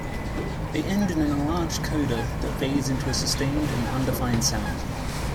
They end in an enlarged coda that fades into a sustained and undefined sound.